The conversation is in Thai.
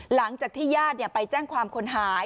หลังจากที่ญาติไปแจ้งความคนหาย